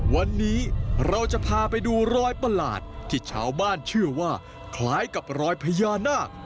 วันนี้เราจะพาไปดูรอยประหลาดที่ชาวบ้านเชื่อว่าคล้ายกับรอยพญานาค